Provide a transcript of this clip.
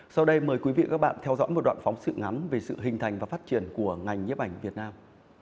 sau đây mời quý vị và các bạn theo dõi một đoạn phóng sự ngắn về sự hình thành và phát triển của ngành nhiếp ảnh việt nam